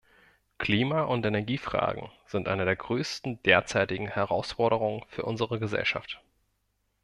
Klima- und Energiefragen sind eine der größten derzeitigen Herausforderungen für unsere Gesellschaft.